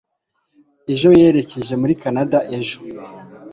ejo yerekeje muri kanada ejo